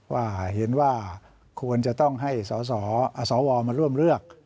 ว่าเห็นว่าควรจะต้องให้สสวมาร่วมเลือก